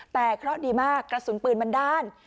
แต่เคราะห์ดีมากกระสุนปืนมันด้าน